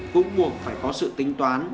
cũng muộn phải có sự tính toán